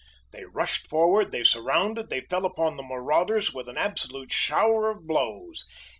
They rushed forward, they surrounded, they fell upon the marauders with an absolute shower of blows.